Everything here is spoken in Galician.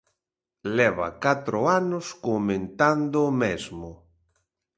Leva catro anos comentando o mesmo.